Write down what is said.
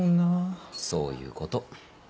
そういうこと。